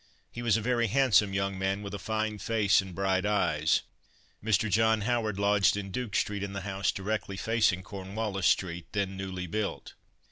He was a very handsome young man, with a fine face and bright eyes. Mr. John Howard lodged in Duke street in the house directly facing Cornwallis street, then newly built.